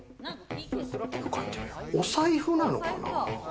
お財布なのかな？